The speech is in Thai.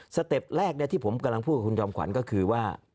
เต็ปแรกที่ผมกำลังพูดกับคุณจอมขวัญก็คือว่า